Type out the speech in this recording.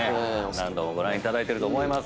何度もご覧いただいてると思います。